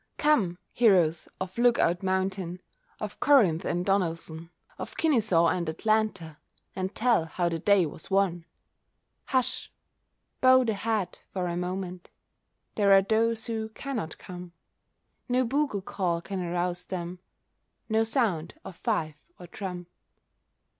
Come, heroes of Look Out Mountain, Of Corinth and Donelson, Of Kenesaw and Atlanta, And tell how the day was won! Hush! bow the head for a moment— There are those who cannot come. No bugle call can arouse them— No sound of fife or drum.